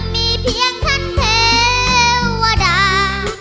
มีเพียงท่านเทวดา